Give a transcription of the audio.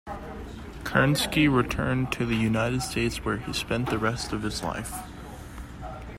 Kerensky returned to the United States, where he spent the rest of his life.